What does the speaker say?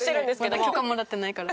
まだ許可もらってないから。